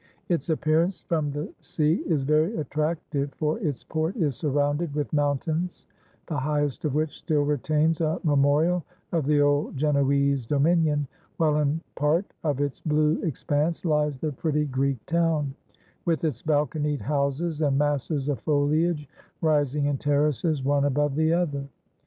Its appearance from the sea is very attractive, for its port is surrounded with mountains, the highest of which still retains a memorial of the old Genoese dominion, while in part of its blue expanse lies the pretty Greek town, with its balconied houses and masses of foliage rising in terraces one above the other.